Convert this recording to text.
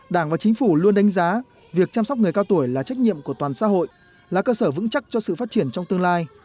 đảng và chính phủ luôn đánh giá việc chăm sóc người cao tuổi là trách nhiệm của toàn xã hội là cơ sở vững chắc cho sự phát triển trong tương lai